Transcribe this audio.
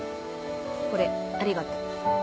これありがと。